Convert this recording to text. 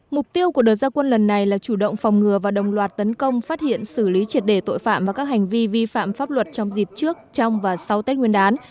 mục tiêu của đợt gia quân lần này là chủ động phòng ngừa và đồng loạt tấn công phát hiện xử lý triệt đề tội phạm và các hành vi vi phạm pháp luật trong dịp trước trong và sau tết nguyên đán